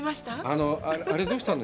あれ、どうしたの？